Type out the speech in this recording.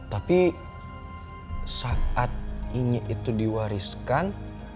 tapi saat ini itu diwariskan